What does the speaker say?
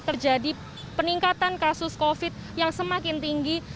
terjadi peningkatan kasus covid yang semakin tinggi